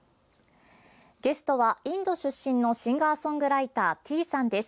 ゲストは、インド出身のシンガーソングライターｔｅａさんです。